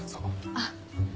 あっ。